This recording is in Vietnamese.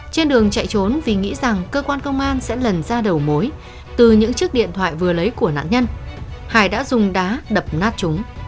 trên đường chạy trốn vì nghĩ rằng cơ quan công an sẽ lần ra đầu mối từ những chiếc điện thoại vừa lấy của nạn nhân hải đã dùng đá đập nát chúng